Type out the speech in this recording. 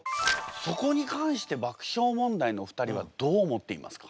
そこに関して爆笑問題のお二人はどう思っていますか？